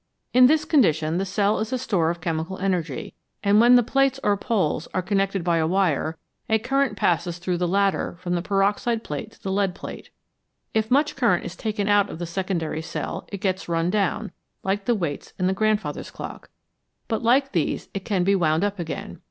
In this condition the cell is a store of chemical energy, and when the plates or poles are connected by a wire, a current passes through the latter from the peroxide plate to the lead plate. If much current is taken out of the secondary cell, it gets run down, like the weights in the grandfather's clock, but like these it can be "wound up" again.